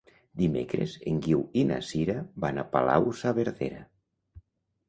Dimecres en Guiu i na Sira van a Palau-saverdera.